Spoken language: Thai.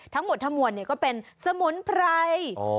ทั้งหมดทั้งมวลก็เป็นสมุนไพร